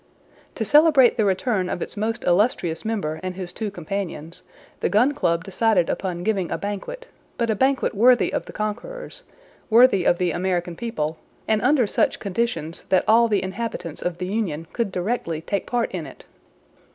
To celebrate the return of its most illustrious member and his two companions, the Gun Club decided upon giving a banquet, but a banquet worthy of the conquerors, worthy of the American people, and under such conditions that all the inhabitants of the Union could directly take part in it.